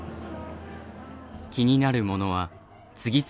気になるものは次々試す。